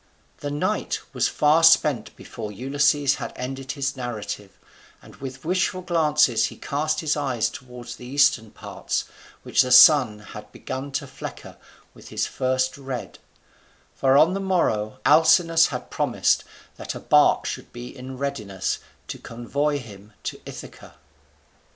] The night was far spent before Ulysses had ended his narrative, and with wishful glances he cast his eyes towards the eastern parts, which the sun had begun to flecker with his first red; for on the morrow Alcinous had promised that a bark should be in readiness to convoy him to Ithaca.